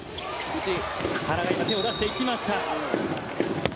原が手を出していきました。